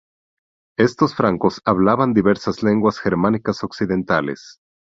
Estos francos hablaban diversas lenguas germánicas occidentales.